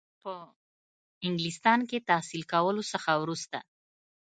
په انګلستان کې تحصیل کولو څخه وروسته.